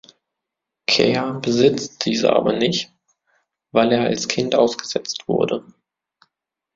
Ker besitzt diese aber nicht, weil er als Kind ausgesetzt wurde.